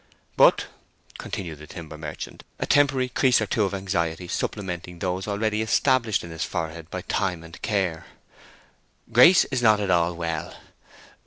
"But," continued the timber merchant, a temporary crease or two of anxiety supplementing those already established in his forehead by time and care, "Grace is not at all well.